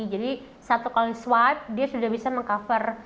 jadi satu kali swipe dia sudah bisa meng cover